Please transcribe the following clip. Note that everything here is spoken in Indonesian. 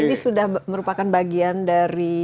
ini sudah merupakan bagian dari